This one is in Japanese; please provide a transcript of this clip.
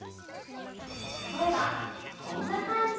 例えばこんな感じ